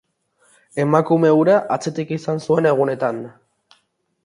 Emakume hura atzetik izan zuen egunetan.